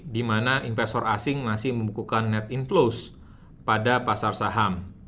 di mana investor asing masih membukukan net inflows pada pasar saham